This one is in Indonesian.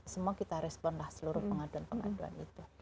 semua kita responlah seluruh pengaduan pengaduan itu